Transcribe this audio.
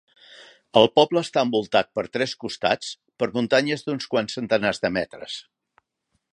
El poble està envoltat per tres costats per muntanyes d'uns quants centenars de metres.